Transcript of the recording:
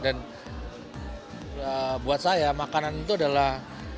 buat saya makanan itu adalah